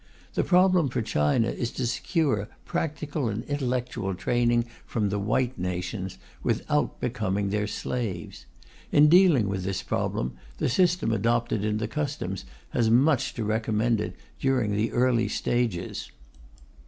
The problem for China is to secure practical and intellectual training from the white nations without becoming their slaves. In dealing with this problem, the system adopted in the Customs has much to recommend it during the early stages.